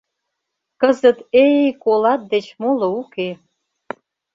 Кызыт «эй, колат!» деч моло уке.